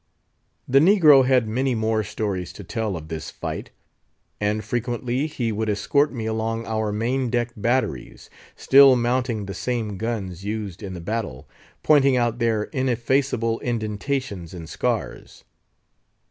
The negro had many more stories to tell of this fight; and frequently he would escort me along our main deck batteries—still mounting the same guns used in the battle—pointing out their ineffaceable indentations and scars.